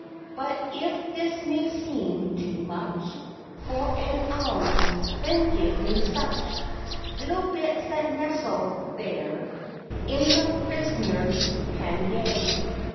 But if this may seem too much For an alms, then give me such Little bits that nestle there In the pris'ner's pannier.